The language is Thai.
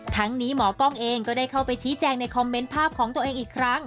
ทั้งนี้หมอกล้องเองก็ได้เข้าไปชี้แจงในคอมเมนต์ภาพของตัวเองอีกครั้ง